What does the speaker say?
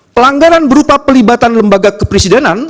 pelanggaran berupa pelibatan lembaga kepresidenan